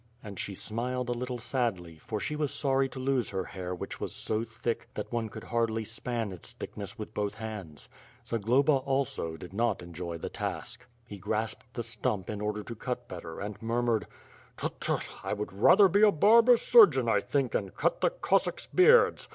And she smiled a little sadly, for she was sorry to lose her hair which was so thick that one could hardly span its thick ness with both hands. Zagloba, also, did not enjoy the task. He grasped the stump in order to cut better, and mur mured: "Tut! Tut! I would rather be a barber surgeon I think, and cut the Cossacks beards.